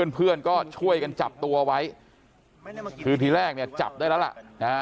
เพื่อนก็ช่วยกันจับตัวไว้คือทีแรกเนี่ยจับได้แล้วล่ะ